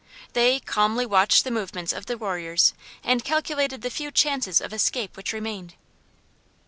They, calmly watched the movements of the warriors and calculated the few chances of escape which remained.